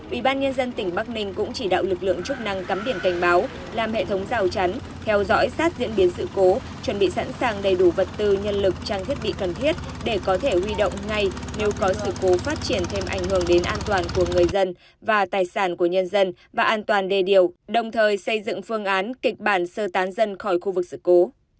ủy ban nhân dân tỉnh bắc ninh cũng chỉ đạo lực lượng trúc năng cắm điển cảnh báo làm hệ thống rào chắn theo dõi sát diễn biến sự cố chuẩn bị sẵn sàng đầy đủ vật tư nhân lực trang thiết bị cần thiết để có thể huy động ngay nếu có sự cố phát triển thêm ảnh hưởng đến an toàn của người dân và tài sản của nhân dân và an toàn đê điều đồng thời xây dựng phương án kịch bản sơ tán dân khỏi khu vực sự cố